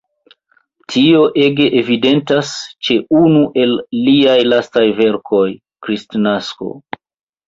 Tio ege evidentas ĉe unu el liaj lastaj verkoj, "Kristnasko".